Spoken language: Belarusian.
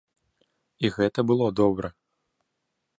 І гэта было добра.